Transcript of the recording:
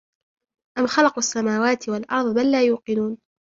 أَمْ خَلَقُوا السَّمَاوَاتِ وَالْأَرْضَ بَلْ لَا يُوقِنُونَ